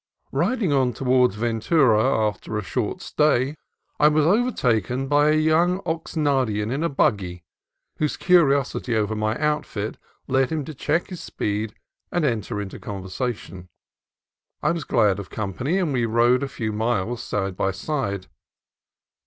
Riding on toward Ventura after a short stay, I was overtaken by a young Oxnardian in a buggy, whose curiosity over my outfit led him to check his speed and enter into conversation. I was glad of company, and we rode a few miles side by side.